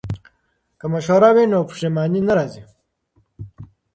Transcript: که مشوره وي نو پښیماني نه راځي.